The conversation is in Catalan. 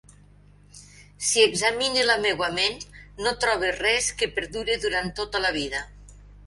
Si examine la meua ment, no trobe res que perdure durant tota la vida.